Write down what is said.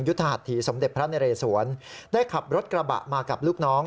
หัตถีสมเด็จพระนเรสวนได้ขับรถกระบะมากับลูกน้อง